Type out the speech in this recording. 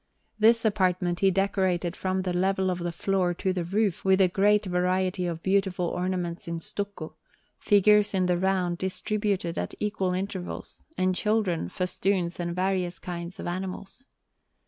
This apartment he decorated from the level of the floor to the roof with a great variety of beautiful ornaments in stucco, figures in the round distributed at equal intervals, and children, festoons, and various kinds of animals.